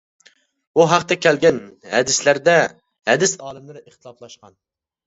بۇ ھەقتە كەلگەن ھەدىسلەردە ھەدىس ئالىملىرى ئىختىلاپلاشقان.